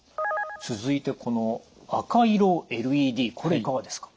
続いてこの赤色ＬＥＤこれいかがですか？